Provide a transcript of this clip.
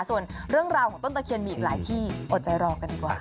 ส่วนเรื่องราวของต้นตะเคียนมีอีกหลายที่อดใจรอกันดีกว่า